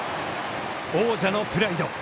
王者のプライド。